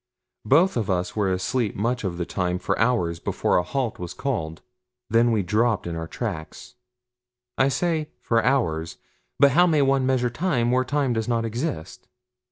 Both of us were asleep much of the time for hours before a halt was called then we dropped in our tracks. I say "for hours," but how may one measure time where time does not exist!